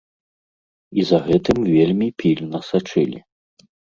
І за гэтым вельмі пільна сачылі.